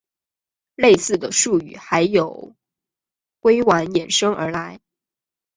类似的术语还有硅烷衍生而来。